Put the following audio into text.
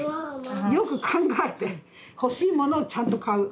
よく考えて欲しいものをちゃんと買う。